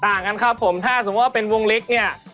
กันครับผมถ้าสมมุติว่าเป็นวงเล็กเนี่ย